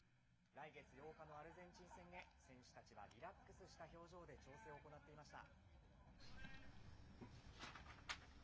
来月８日のアルゼンチン戦へ選手たちはリラックスした表情で調整を行っていました。